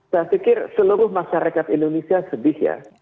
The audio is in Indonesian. saya pikir seluruh masyarakat indonesia sedih ya